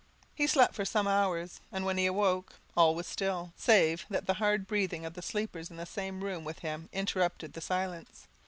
He slept for some hours; and when he awoke, all was still, save that the hard breathing of the sleepers in the same room with him interrupted the silence.